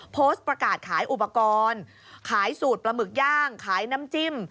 โพสต์ประกาศขายอุปกรณ์ขายสูตรปลาหมึกย่างขายน้ำจิ้ม